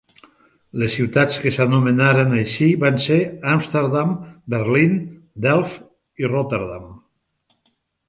Les ciutats que s'anomenaren així van ser Amsterdam, Berlín, Delft i Rotterdam.